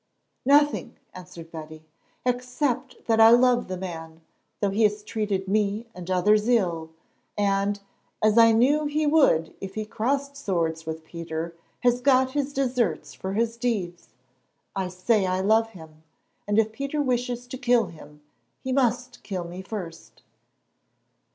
"Nothing," answered Betty, "except that I love the man, though he has treated me and others ill, and, as I knew he would if he crossed swords with Peter, has got his deserts for his deeds. I say I love him, and if Peter wishes to kill him, he must kill me first."